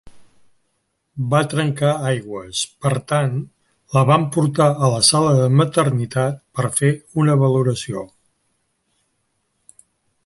Va trencar aigües; per tant, la van portar a la sala de maternitat per fer una valoració.